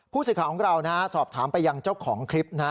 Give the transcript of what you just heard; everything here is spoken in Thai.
ผู้สื่อข่าวของเราสอบถามไปยังเจ้าของคลิปนะ